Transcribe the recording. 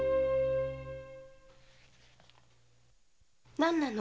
何なの？